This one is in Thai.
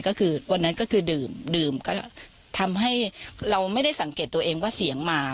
ก็คือวันนั้นก็คือดื่มก็ทำให้เราไม่ได้สังเกตตัวเองว่าเสียงมา